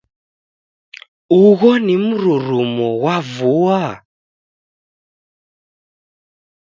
Ugho ni mrurumo ghwa vua?